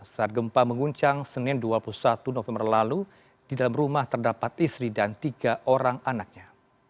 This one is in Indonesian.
saat gempa menguncang senin dua puluh satu november lalu di dalam rumah terdapat istri dan tiga orang anaknya